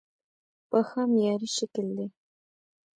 پښه معیاري شکل دی.